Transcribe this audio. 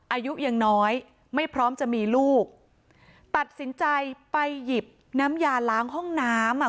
อายุยังน้อยไม่พร้อมจะมีลูกตัดสินใจไปหยิบน้ำยาล้างห้องน้ำอ่ะ